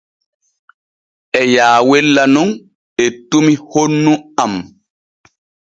E yaawella nun ettumi honnu am.